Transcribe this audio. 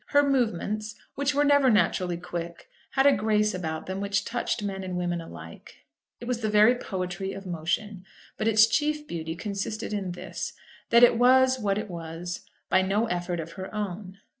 Her movements, which were never naturally quick, had a grace about them which touched men and women alike. It was the very poetry of motion; but its chief beauty consisted in this, that it was what it was by no effort of her own.